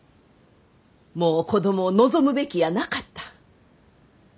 もう子供を望むべきやなかった。